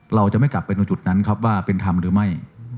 เราจะไม่กลับไปตรงจุดนั้นครับว่าเป็นธรรมหรือไม่